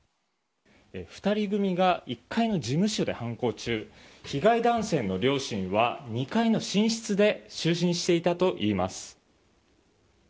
２人組が１階の事務所で犯行中被害男性の両親は２階の寝室で就寝していたといいます。